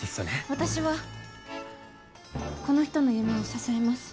私はこの人の夢を支えます。